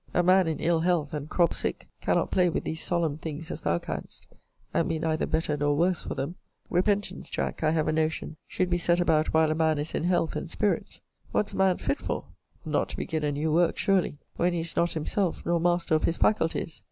A man in ill health, and crop sick, cannot play with these solemn things as thou canst, and be neither better nor worse for them. Repentance, Jack, I have a notion, should be set about while a man is in health and spirits. What's a man fit for, [not to begin a new work, surely!] when he is not himself, nor master of his faculties?